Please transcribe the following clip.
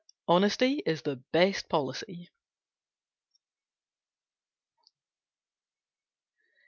Honesty is the best policy.